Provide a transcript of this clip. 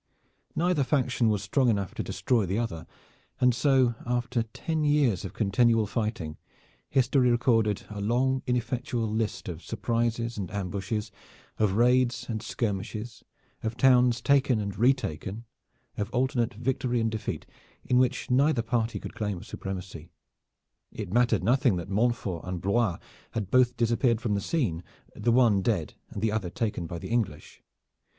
Neither faction was strong enough to destroy the other, and so after ten years of continual fighting, history recorded a long ineffectual list of surprises and ambushes, of raids and skirmishes, of towns taken and retaken, of alternate victory and defeat, in which neither party could claim a supremacy. It mattered nothing that Montfort and Blois had both disappeared from the scene, the one dead and the other taken by the English.